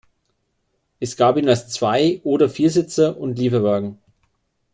Es gab ihn als Zwei- oder Viersitzer und Lieferwagen.